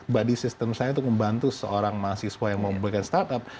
badan sistem saya itu membantu seorang mahasiswa yang mau membuat startup